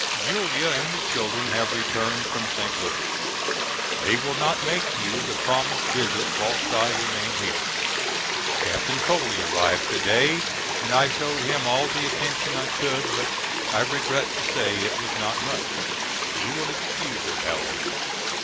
Julia and the children have returned from St. Louis. They will not make you the promised visit whilst I remain here. Captain Foley arrived to day and I showed him all the attention I could but I regret to say it was not much. He will excuse it however.